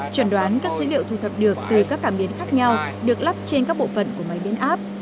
chuẩn đoán các dữ liệu thu thập được từ các cảm biến khác nhau được lắp trên các bộ phận của máy biến áp